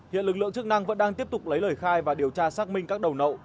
hiện lực lượng chức năng vẫn đang tiếp tục lấy lời khai và điều tra xác minh các đầu nậu